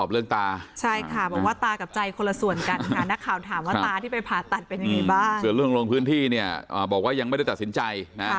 ส่วนเรื่องลงพื้นที่เนี่ยบอกว่ายังไม่ได้ตัดสินใจนะ